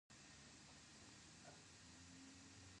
له همدې کبله توکي د مالک په سترګو کې ځلا کوي